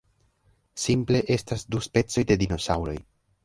Simple estas du specoj de dinosaŭroj.